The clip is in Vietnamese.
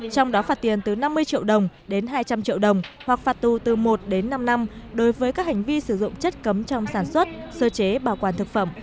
trong đó phạt tiền từ năm mươi triệu đồng đến hai trăm linh triệu đồng hoặc phạt tù từ một đến năm năm đối với các hành vi sử dụng chất cấm trong sản xuất sơ chế bảo quản thực phẩm